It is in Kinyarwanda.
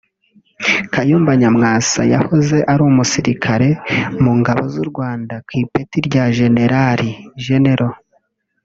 Kayumba Nyamwasa yahoze ari umusirikare mu ngabo z’u Rwanda ku ipeti rya Jenerali (Gen